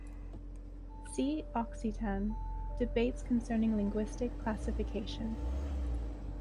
See Occitan: Debates concerning linguistic classification.